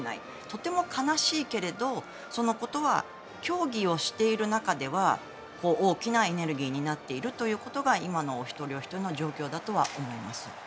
とても悲しいけれどそのことは競技をしている中では大きなエネルギーになっているということが今の一人ひとりの状況だと思います。